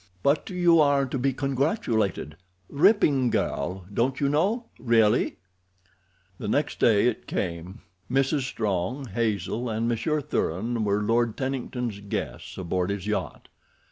"But you are to be congratulated—ripping girl, don't you know—really." The next day it came. Mrs. Strong, Hazel, and Monsieur Thuran were Lord Tennington's guests aboard his yacht.